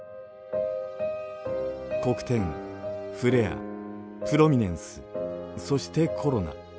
黒点フレアプロミネンスそしてコロナ。